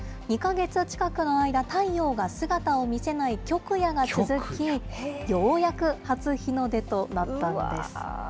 ２か月近くの間、太陽が姿を見せない極夜が続き、ようやく初日の出となったんです。